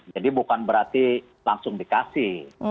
jadi bukan berarti langsung dikasih